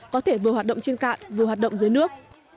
có thể vừa hoạt động trên cạn vừa hoạt động dưới nước